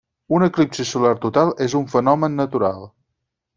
Un eclipsi solar total és un fenomen natural.